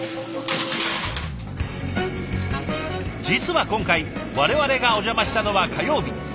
実は今回我々がお邪魔したのは火曜日。